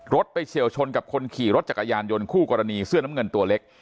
ไปเฉียวชนกับคนขี่รถจักรยานยนต์คู่กรณีเสื้อน้ำเงินตัวเล็ก